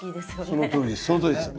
そのとおりです。